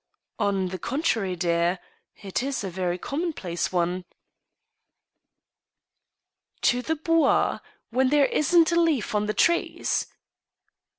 " On the contrary, dear, it is a very commonplace one." " To the Bois ? When there isn't a leaf on the trees